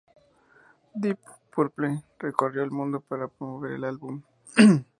Deep Purple recorrió el mundo para promover el álbum.